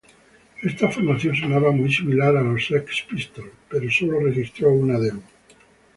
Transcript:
Esta formación sonaba muy similar a los Sex Pistols, pero sólo registró un demo.